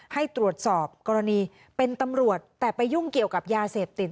ให้ตรวจสอบกรณีเป็นตำรวจแต่ไปยุ่งเกี่ยวกับยาเสพติด